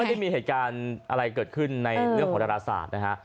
ไม่ได้มีเหตุการณ์อะไรเกิดขึ้นในเรื่องของดาราศาสตร์นะฮะ